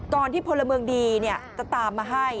ตอนที่พลเมืองดีเนี่ยจะตามมาให้